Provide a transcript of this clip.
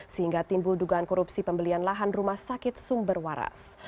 sehingga timbul dugaan korupsi pembelian lahan rumah sakit sumber waras